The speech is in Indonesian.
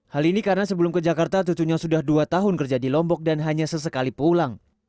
hal ini karena sebelum ke jakarta cucunya sudah dua tahun kerja di lombok dan hanya sesekali pulang